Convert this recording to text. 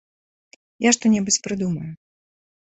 - Я што-небудзь прыдумаю.